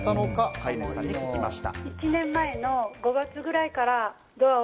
飼い主さんに聞きました。